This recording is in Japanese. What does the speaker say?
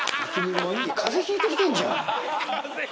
風邪ひいてきてんじゃん。